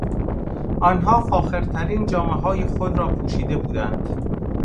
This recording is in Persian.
آنها فاخرترین جامههای خود را پوشیده بودند.